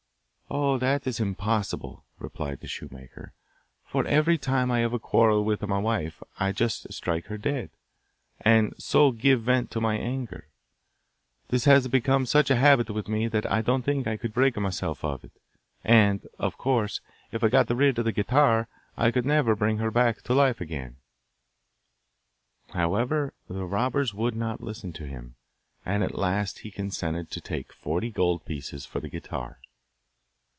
'Oh, that is impossible!' replied the shoemaker, 'for every time I have a quarrel with my wife I just strike her dead, and so give vent to my anger. This has become such a habit with me that I don't think I could break myself of it; and, of course, if I got rid of the guitar I could never bring her back to life again.' However, the robbers would not listen to him, and at last he consented to take forty gold pieces for the guitar.